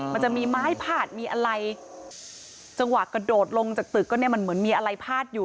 มันจะมีไม้พาดมีอะไรจังหวะกระโดดลงจากตึกก็เนี่ยมันเหมือนมีอะไรพาดอยู่